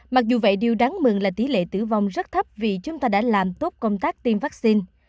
mặc dù vậy điều đáng mừng là tỷ lệ tử vong rất thấp vì chúng ta đã làm tốt công tác tiêm vaccine